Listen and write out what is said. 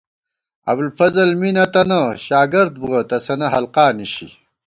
ابُوالفضل می نہ تنہ ، شاگردبُوَہ ، تسَنہ حلقا نِشی